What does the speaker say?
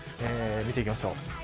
見ていきましょう。